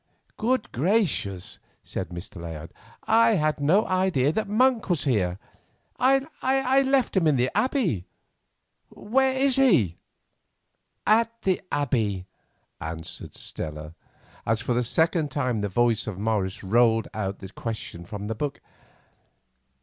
'" "Good gracious," said Mr. Layard. "I had no idea that Monk was here; I left him at the Abbey. Where is he?" "At the Abbey," answered Stella, as for the second time the voice of Morris rolled out the question from the Book.